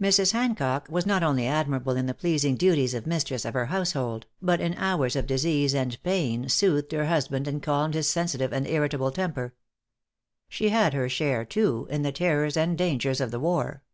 Mrs. Hancock was not only admirable in the pleasing duties of mistress of her household, but in hours of disease and pain soothed her husband and calmed his sensitive and irritable temper. She had her share, too, in the terrors and dangers of the war.